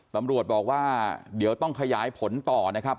ตำรวจบอกว่าเดี๋ยวต้องขยายผลต่อนะครับ